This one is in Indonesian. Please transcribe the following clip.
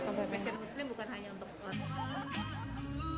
fashion muslim bukan hanya untuk